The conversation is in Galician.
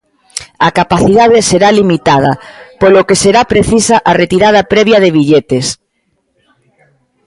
A capacidade será limitada, polo que será precisa a retirada previa de billetes.